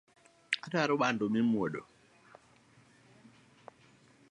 Adwaro bando mimwodo